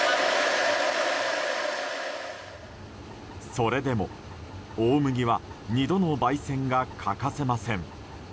それでも大麦は２度の焙煎が欠かせません。